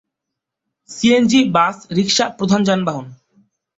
CNG, bus, rickshaw প্রধান যানবাহন।